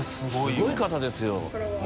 すごい方ですよ。